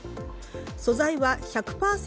素材は１００％